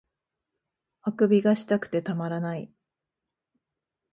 欠伸がしたくてたまらない